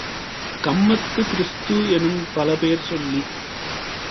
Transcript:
கம்மது, கிறிஸ்து-எனும் பலபேர் சொல்லிச்